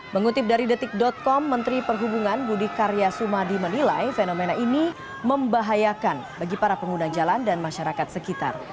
mengutip dari detik com menteri perhubungan budi karya sumadi menilai fenomena ini membahayakan bagi para pengguna jalan dan masyarakat sekitar